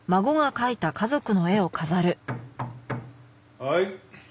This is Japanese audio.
はい。